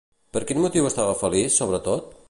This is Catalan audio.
Per quin motiu estava feliç, sobretot?